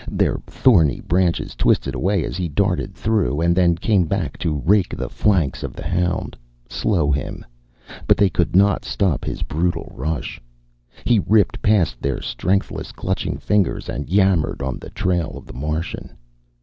Their thorny branches twisted away as he darted through and then came back to rake the flanks of the hound, slow him but they could not stop his brutal rush. He ripped past their strengthless clutching fingers and yammered on the trail of the Martian.